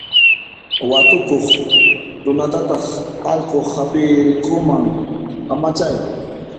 Watukuq runatataq allqu hap'irqunman, amachay.